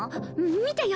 見てよ。